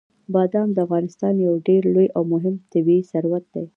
بادام د افغانستان یو ډېر لوی او مهم طبعي ثروت دی.